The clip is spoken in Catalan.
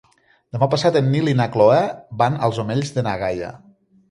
Demà passat en Nil i na Cloè van als Omells de na Gaia.